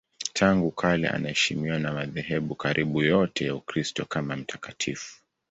Tangu kale anaheshimiwa na madhehebu karibu yote ya Ukristo kama mtakatifu.